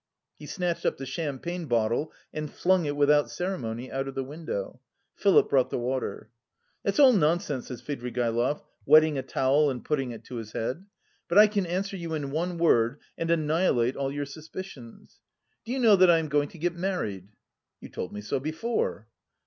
He snatched up the champagne bottle and flung it without ceremony out of the window. Philip brought the water. "That's all nonsense!" said Svidrigaïlov, wetting a towel and putting it to his head. "But I can answer you in one word and annihilate all your suspicions. Do you know that I am going to get married?" "You told me so before."